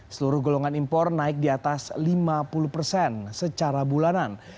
seluruh golongan impor naik di atas lima puluh persen secara bulanan